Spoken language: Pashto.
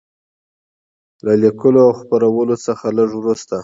له لیکلو او خپرولو څخه لږ وروسته.